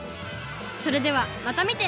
それではまたみてね！